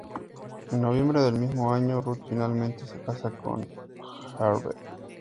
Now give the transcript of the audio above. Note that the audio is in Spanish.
En noviembre del mismo año Ruth finalmente se casa con Harvey.